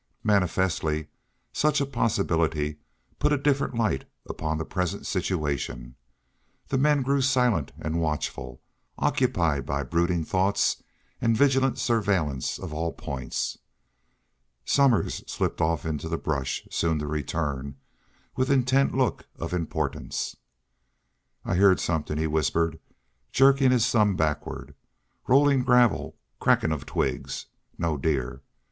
Manifestly such a possibility put a different light upon the present situation. The men grew silent and watchful, occupied by brooding thoughts and vigilant surveillance of all points. Somers slipped off into the brush, soon to return, with intent look of importance. "I heerd somethin'," he whispered, jerking his thumb backward. "Rollin' gravel crackin' of twigs. No deer! ...